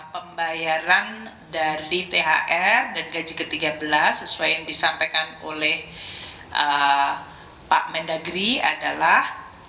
pembayaran dari thr dan gaji ke tiga belas sesuai yang disampaikan oleh pak mendagri adalah